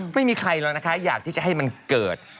ไม่มีใครหรอกนะคะอยากที่จะให้มันเกิด